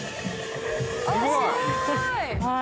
すごい！